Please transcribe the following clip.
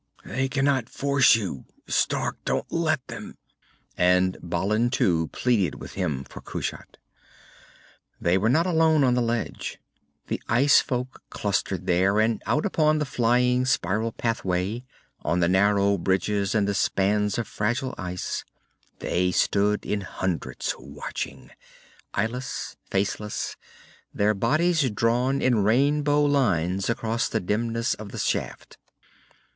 They cannot force you. Stark! Don't let them. And Balin, too, pleaded with him for Kushat. They were not alone on the ledge. The ice folk clustered there, and out upon the flying spiral pathway, on the narrow bridges and the spans of fragile ice, they stood in hundreds watching, eyeless, faceless, their bodies drawn in rainbow lines across the dimness of the shaft.